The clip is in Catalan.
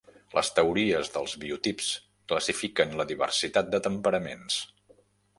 Les teories dels biotips classifiquen la diversitat de temperaments.